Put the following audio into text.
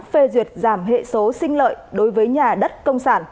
phê duyệt giảm hệ số sinh lợi đối với nhà đất công sản